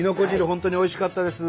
本当においしかったです。